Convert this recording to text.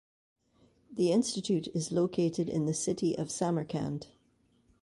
The Institute is located in the city of Samarkand.